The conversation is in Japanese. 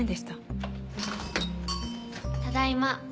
ただいま。